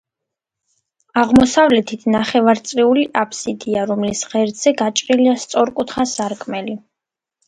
აღმოსავლეთით ნახევარწრიული აბსიდია, რომლის ღერძზე გაჭრილია სწორკუთხა სარკმელი.